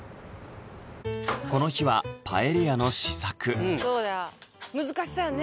この日はパエリアの試作そうや難しそうやんね